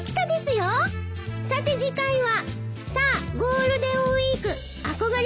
さて次回は。